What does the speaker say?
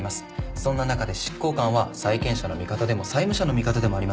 そんな中で執行官は債権者の味方でも債務者の味方でもありません。